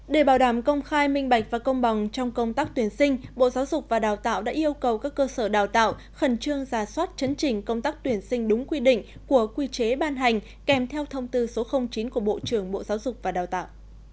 để bảo đảm công khai minh bạch và công bằng trong công tác tuyển sinh bộ giáo dục và đào tạo đã yêu cầu các cơ sở đào tạo khẩn trương ra soát chấn trình công tác tuyển sinh đúng quy định của quy chế ban hành kèm theo thông tư số chín của bộ trưởng bộ giáo dục và đào tạo